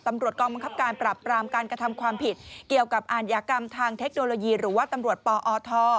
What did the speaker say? ตำรวจกองบังคับการปรับปรามการกระทำความผิดเกี่ยวกับอาทยากรรมทางเทคโนโลยีหรือว่าตำรวจปอท